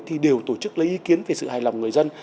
thì đều tổ chức lấy ý kiến về sự hài lòng người dân